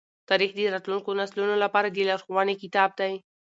تاریخ د راتلونکو نسلونو لپاره د لارښوونې کتاب دی.